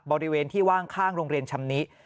บริเวณที่ว่างข้างโรงเรียนชำนิ